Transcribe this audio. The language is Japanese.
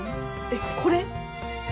えっこれ？